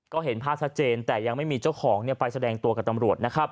ก็เห็นภาพชัดเจนแต่ยังไม่มีเจ้าของไปแสดงตัวกับตำรวจนะครับ